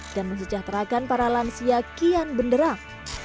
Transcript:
dan mencecah terakan para lansia kian benderang